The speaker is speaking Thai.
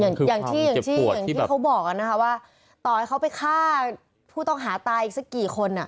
อย่างที่เขาบอกว่าต่อให้เขาไปฆ่าผู้ต้องหาตายอีกสักกี่คน